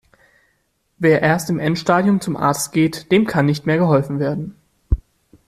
Wer erst im Endstadium zum Arzt geht, dem kann nicht mehr geholfen werden.